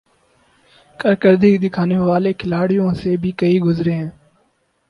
۔کارکردگی دکھانے والے کھلاڑیوں سے بھی گئے گزرے ہیں ۔